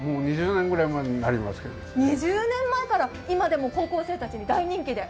２０年ぐらい前から今でも高校生に大人気で？